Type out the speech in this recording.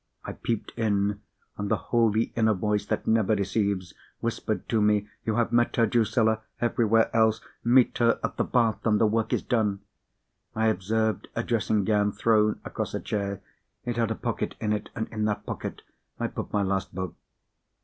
I peeped in; and the holy inner voice that never deceives, whispered to me, "You have met her, Drusilla, everywhere else; meet her at the bath, and the work is done." I observed a dressing gown thrown across a chair. It had a pocket in it, and in that pocket I put my last book.